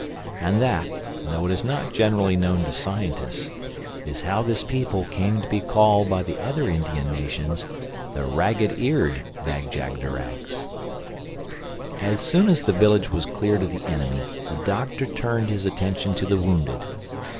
And that (though it is not generally known to scientists) is how this people came to be called by the other Indian nations, the Ragged Eared Bag jagderags. As soon as the village was cleared of the enemy the Doctor turned his attention to the wounded.